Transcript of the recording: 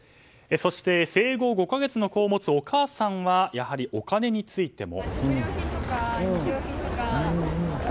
そして、生後５か月の子を持つお母さんはやはり、お金についても。